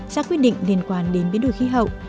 ra quyết định liên quan đến biến đổi khí hậu